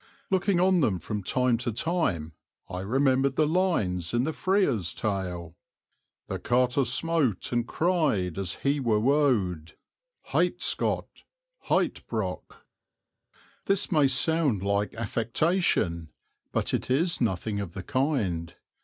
Looking on them from time to time I remembered the lines in the Freer's Tale The Carter smote and cried as he were wode Heit Scot! Heit Brock. This may sound like affectation, but it is nothing of the kind.